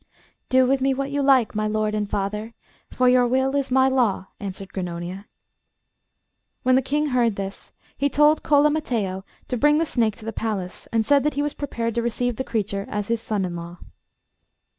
'Do with me what you like, my lord and father, for your will is my law,' answered Grannonia. When the King heard this, he told Cola Mattheo to bring the snake to the palace, and said that he was prepared to receive the creature as his son in law.